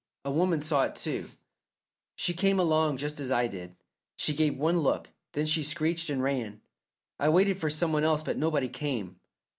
A woman saw it, too. She came along just as I did. She gave one look, then she screeched and ran. I waited for some one else, but nobody came."